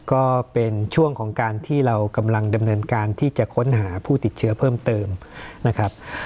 ก็เป็นช่วงของการที่เรากำลังดำเนินการที่จะค้นหาผู้ติดเชื้อเพิ่มเติมนะครับ